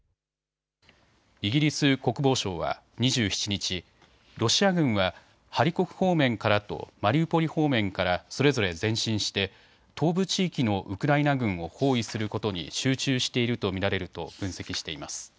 イギリス国防省は２７日、ロシア軍はハリコフ方面からとマリウポリ方面からそれぞれ前進して東部地域のウクライナ軍を包囲することに集中していると見られると分析しています。